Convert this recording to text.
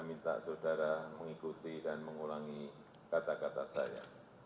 minta saudara mengikuti dan mengulangi kata kata saya